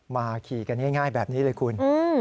ขี่กันง่ายแบบนี้เลยคุณ